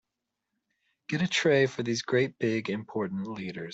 Get a tray for these great big important leaders.